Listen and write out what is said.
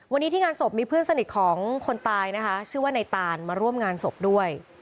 วันนี้ที่งานศพมีเพื่อนสนิทของคนตายนะคะชื่อว่าในตานมาร่วมงานศพด้วย